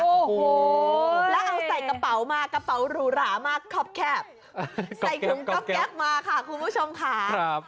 โอ้โหแล้วเอาใส่กระเป๋ามากระเป๋าหรูหรามากคอบแคบใส่ถุงก๊อกแก๊กมาค่ะคุณผู้ชมค่ะ